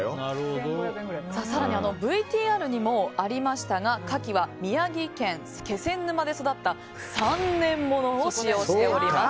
更にＶＴＲにもありましたがカキは、宮城県気仙沼で育った３年物を使用しております。